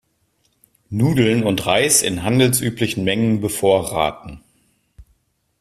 Nudeln und Reis in handelsüblichen Mengen bevorraten.